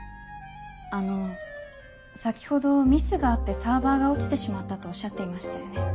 あの先ほど「ミスがあってサーバーが落ちてしまった」とおっしゃっていましたよね？